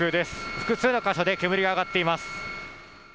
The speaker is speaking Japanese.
複数の箇所で煙が上がっています。